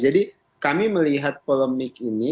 jadi kami melihat polemik ini